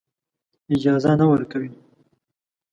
اجازه نه ورکوي.